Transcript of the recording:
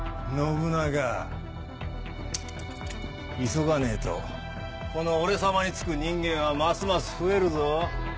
急がねえとこの俺様につく人間はますます増えるぞ。